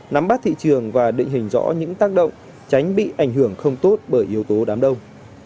nắm bắt thị trường và định hình rõ những tác động tránh bị ảnh hưởng không tốt bởi yếu tố đám đông